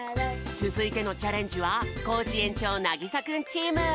つづいてのチャレンジはコージ園長なぎさくんチーム！